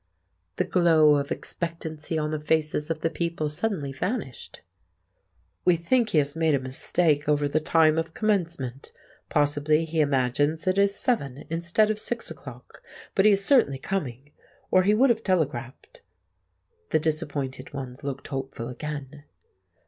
The glow of expectancy on the faces of the people suddenly vanished. "We think he has made a mistake over the time of commencement; possibly he imagines it is seven instead of six o'clock; but he is certainly coming, or he would have telegraphed——" The disappointed ones looked hopeful again.